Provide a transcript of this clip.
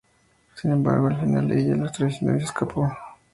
Sin embargo al final ella los traicionó y se escapó.